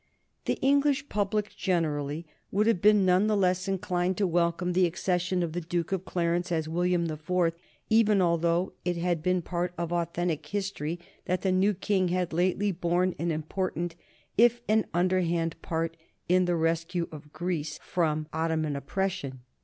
The English public generally would have been none the less inclined to welcome the accession of the Duke of Clarence as William the Fourth even although it had been part of authentic history that the new King had lately borne an important, if an underhand, part in the rescue of Greece from Ottoman oppression.